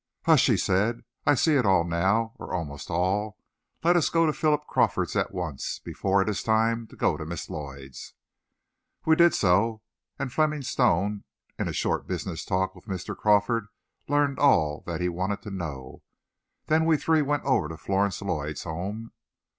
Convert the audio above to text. "Hush," he said, "I see it all now or almost all. Let us go to Philip Crawford's at once before it is time to go to Miss Lloyd's." We did so, and Fleming Stone, in a short business talk with Mr. Crawford, learned all that he wanted to know. Then we three went over to Florence Lloyd's home.